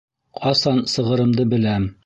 Ҡасан сығырымды беләм.